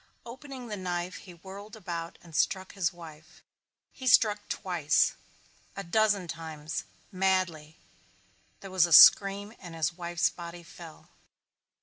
Opening the knife he whirled about and struck his wife. He struck twice, a dozen times madly. There was a scream and his wife's body fell.